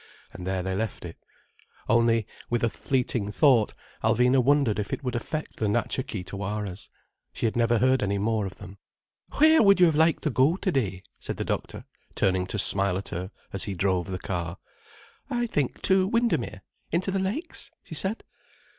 And there they left it. Only, with a fleeting thought, Alvina wondered if it would affect the Natcha Kee Tawaras. She had never heard any more of them. "Where would you have liked to go today?" said the doctor, turning to smile at her as he drove the car. "I think to Windermere—into the Lakes," she said.